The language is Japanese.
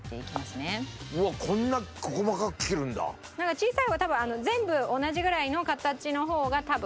小さい方が多分全部同じぐらいの形の方が多分。